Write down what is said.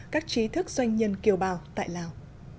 các trí thức doanh nhân kiều bào tại lào